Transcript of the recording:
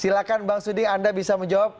silahkan bang suding anda bisa menjawab